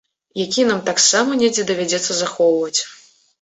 Якія нам таксама недзе давядзецца захоўваць.